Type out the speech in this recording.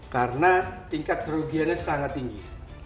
karena tingkat kerugiannya sangat tinggi